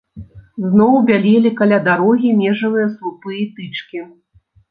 Зноў бялелі каля дарогі межавыя слупы і тычкі.